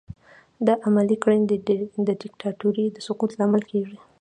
دا عملي کړنې د دیکتاتورۍ د سقوط لامل کیږي.